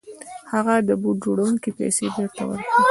هغه د بوټ جوړوونکي پيسې بېرته ورکړې.